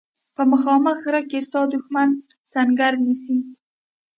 په مخامخ غره کې ستا دښمن سنګر نیسي.